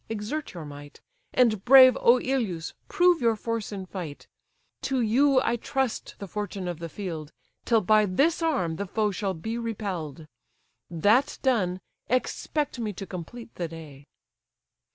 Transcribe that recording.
exert your might, And, brave Oïleus, prove your force in fight; To you I trust the fortune of the field, Till by this arm the foe shall be repell'd: That done, expect me to complete the day.